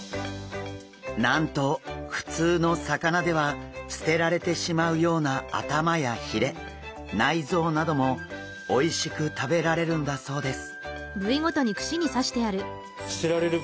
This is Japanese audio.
なんと普通の魚では捨てられてしまうような頭やひれ内臓などもおいしく食べられるんだそうです。